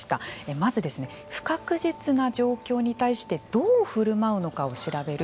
まず、不確実な状況に対してどうふるまうのかを調べる